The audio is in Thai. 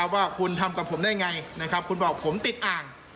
ว่าคุณทำกับผมได้ไงคุณบอกผมติดอ่าง